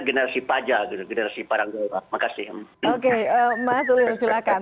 dan saya menyebutnya generasi pajak gitu